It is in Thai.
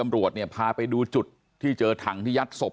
แล้วก็ยัดลงถังสีฟ้าขนาด๒๐๐ลิตร